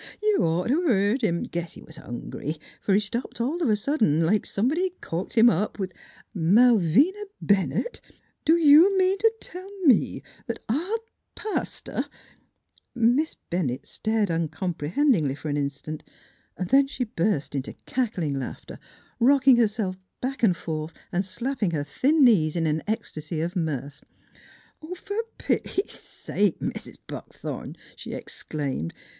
You'd ought t' o' heared him. Guess he was hungry, fer he stopped all of a sud dent like somebody corked him up with "" Malvina Bennett, do you mean t' tell me that our pas ter " Miss Bennett stared uncomprehendingly for an instant; then she burst into cackling laughter, rock ing herself back and forth and slapping her thin knees in an ecstasy of mirth. "Fer pity sake, Mis' Buckthorn!" she ex claimed.